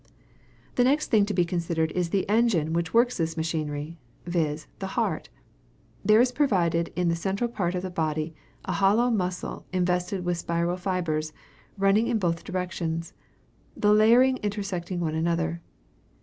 "The next thing to be considered is the engine which works this machinery, viz., the heart. There is provided in the central part of the body a hollow muscle invested with spiral fibres, running in both directions, the layers intersecting one another.